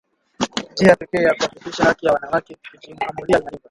njia pekee ya kuhakikisha haki ya wanawake kujiamulia inalindwa